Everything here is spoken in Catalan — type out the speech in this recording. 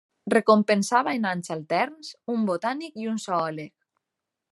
Recompensava en anys alterns un botànic i un zoòleg.